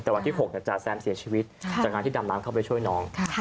แต่วันที่๖จาแซมเสียชีวิตจากการที่ดำน้ำเข้าไปช่วยน้อง